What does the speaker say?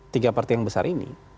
tiga partai yang besar ini